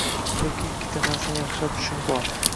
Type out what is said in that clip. Lekin ikkita narsani yaxshilab tushunib ol